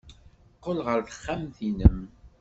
Qqel ɣer texxamt-nnem.